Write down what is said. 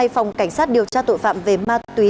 hai phòng cảnh sát điều tra tội phạm về ma túy